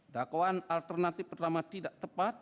dakwaan alternatif pertama tidak tepat